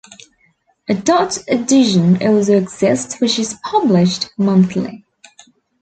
A Dutch edition also exists which is published monthly.